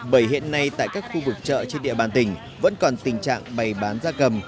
bởi hiện nay tại các khu vực chợ trên địa bàn tỉnh vẫn còn tình trạng bày bán da cầm